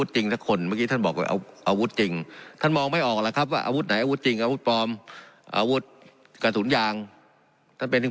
จริงทั้งคนคือท่านบอกเอาอาวุธจริงกระทุนยางต้องเป็น